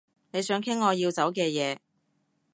你想傾我要走嘅嘢